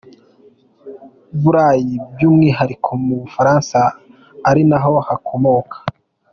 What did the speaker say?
Burayi, by’umwihariko mu Bufaransa ari naho hakomoka